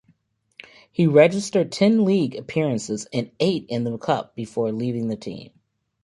He registered ten league appearances and eight in the cup before leaving the club.